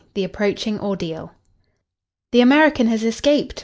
XX. THE APPROACHING ORDEAL "The American has escaped!"